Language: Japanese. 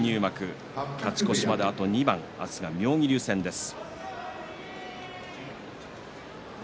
勝ち越しまであと２番明日は妙義龍戦です。